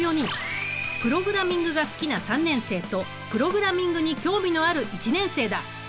プログラミングが好きな３年生とプログラミングに興味のある１年生だ。